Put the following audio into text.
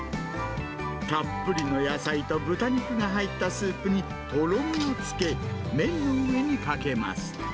たっぷりの野菜と豚肉が入ったスープにとろみをつけ、麺の上にかけます。